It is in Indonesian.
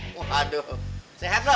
waduh sehat lo